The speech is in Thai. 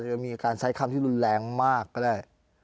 จะมีการใช้คำที่รุนแรงมากก็ได้